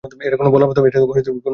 এটা কোনো বলার কতো কথা হলো?